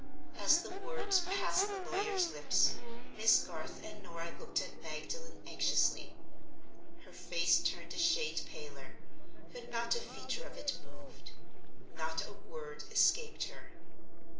As the words passed the lawyer's lips, Miss Garth and Norah looked at Magdalen anxiously. Her face turned a shade paler—but not a feature of it moved; not a word escaped her.